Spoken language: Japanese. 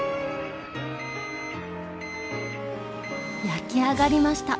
焼き上がりました。